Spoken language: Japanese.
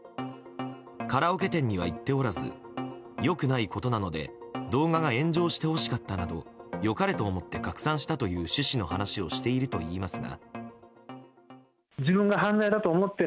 カラオケ店には行っておらず良くないことなので動画が炎上してほしかったなど良かれと思って拡散したという趣旨の話をしているといいますが。